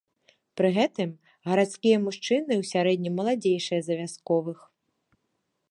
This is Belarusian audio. Пры гэтым гарадскія мужчыны ў сярэднім маладзейшыя за вясковых.